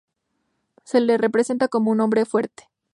Se le representa como un hombre fuerte.